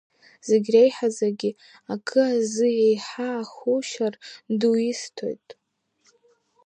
Зегьы реиҳаӡагьы акы азы еиҳа ахушьара ду исҭоит…